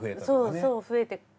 そうそう増えて。